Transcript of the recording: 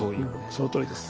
そのとおりです。